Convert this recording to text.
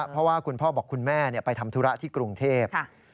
เพราะว่าคุณพ่อบอกคุณแม่ไปทำธุระที่กรุงเทพ